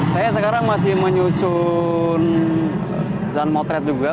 saya sekarang masih menyusun sun motret juga